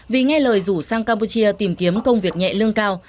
vì nghe lời rủ sang campuchia tìm kiếm công việc nhẹ lương cao